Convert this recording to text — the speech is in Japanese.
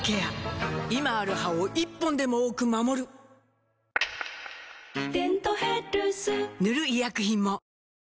今ある歯を１本でも多く守る「デントヘルス」塗る医薬品も